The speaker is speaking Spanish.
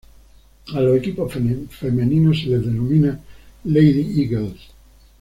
A los equipos femeninos se les denomina "Lady Eagles".